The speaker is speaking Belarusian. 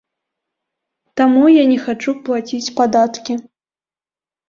Таму я не хачу плаціць падаткі.